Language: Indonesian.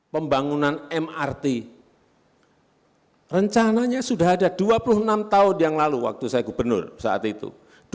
pembangunan mrt rencananya sudah ada dua puluh enam tahun yang lalu waktu saya gubernur saat itu